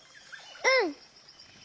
うん！